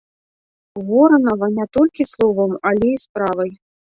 Воранава не толькі словам, але і справай.